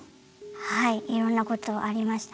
はいいろんなことありましたはい。